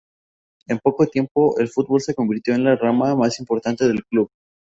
En poco tiempo el fútbol se convirtió en la rama más importante del club.